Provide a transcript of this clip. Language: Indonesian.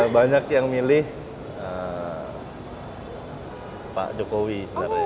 banyak yang milih pak jokowi sebenarnya